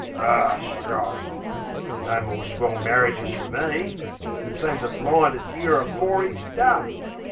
Ar, strike! No more swell marridges fer me! It seems a blinded year afore 'e's done.